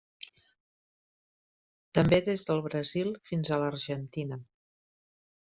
També des del Brasil fins a l'Argentina.